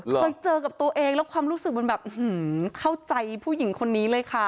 เคยเจอกับตัวเองแล้วความรู้สึกมันแบบเข้าใจผู้หญิงคนนี้เลยค่ะ